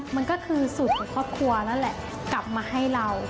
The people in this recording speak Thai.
มันก็คือสูตรของครอบครัวนั่นแหละกลับมาให้เรา